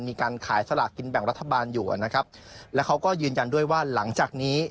มีการขายสลากกินแบ่งรัฐบาลอยู่นะครับแล้วเขาก็ยืนยันด้วยว่าหลังจากนี้